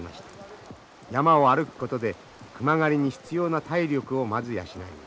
山を歩くことで熊狩りに必要な体力をまず養います。